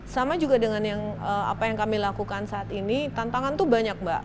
sama juga dengan yang apa yang kami lakukan saat ini tantangan itu banyak mbak